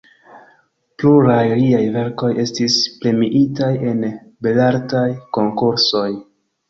Pluraj liaj verkoj estis premiitaj en Belartaj Konkursoj.